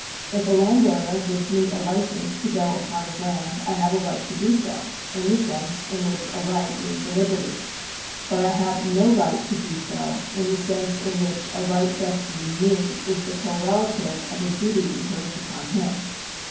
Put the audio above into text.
If a landowner gives me a licence to go upon his land, I have a right to do so, in the sense in which a right means a liberty ; but I have no right to do so, in the sense in which a right vested in me is the correlative of a duty imposed upon him.